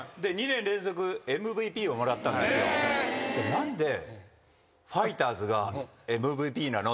何でファイターズがＭＶＰなの？